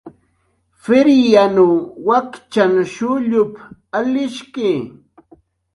"P""iryanw wakchan shullup"" alishki"